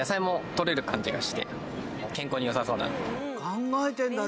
考えてるんだね！